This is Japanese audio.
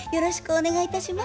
よろしくお願いします。